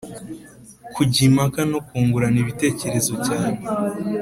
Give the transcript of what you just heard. kujya impaka no kungurana ibitekerezo cyane